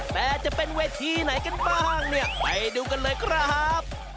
แต่จะเป็นเวทีไหนกันบ้างเนี่ยไปดูกันเลยครับ